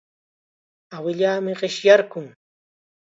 Awilaami qishyarqun.